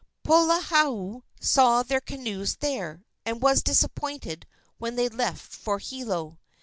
Poliahu saw their canoes there, and was disappointed when they left for Hilo.